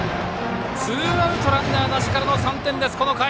ツーアウトランナーなしからのこの回、３点です。